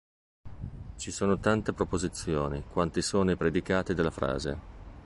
Ci sono tante proposizioni, quanti sono i predicati della frase.